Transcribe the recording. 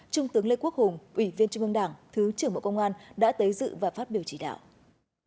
trung tướng lê quốc hùng ủy viên trung ương đảng thứ trưởng bộ công an đã tới dự và phát biểu chỉ đạo